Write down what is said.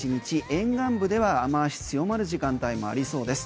沿岸部では雨脚の強まる時間帯もありそうです